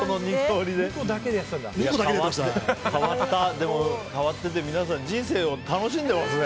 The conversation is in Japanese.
でも、変わってて人生を皆さん楽しんでますね。